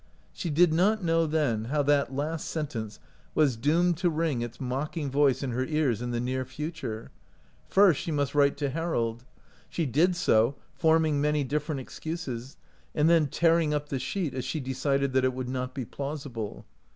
She did not know then how that last sentence was doomed to ring its mocking voice in her ears in the near future. First she must write to Harold. She did so, forming many different excuses, and then tearing up the sheet as she decided that it would not be plausible.